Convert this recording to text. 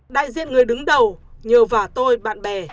đại diện người đứng đầu nhờ vả tôi bạn bè